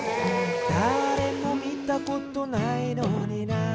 「だれも見たことないのにな」